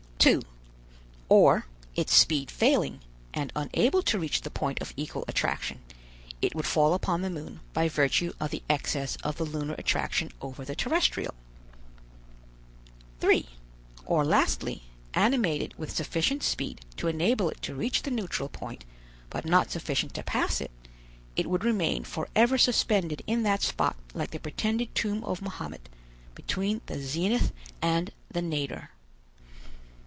2. Or, its speed failing, and unable to reach the point of equal attraction, it would fall upon the moon by virtue of the excess of the lunar attraction over the terrestrial. 3. Or, lastly, animated with sufficient speed to enable it to reach the neutral point, but not sufficient to pass it, it would remain forever suspended in that spot like the pretended tomb of Mahomet, between the zenith and the nadir.